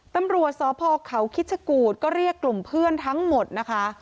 ตำรวจสพเขาคิชกูธก็เรียกกลุ่มเพื่อนทั้งหมดนะคะ